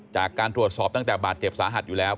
จากการตรวจสอบตั้งแต่บาดเจ็บสาหัสอยู่แล้ว